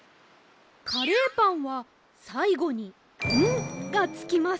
かれーぱんはさいごに「ん」がつきます。